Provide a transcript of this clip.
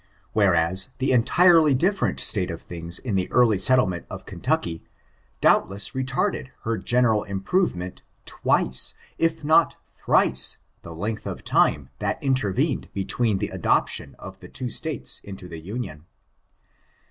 Whereas, tho entirely di^erent state of things in the early settlement of Kentucky, doubtless retarded her general improve ment tmce, if not thrice ihe length of time that intervened between the adoption of the two States into the Union.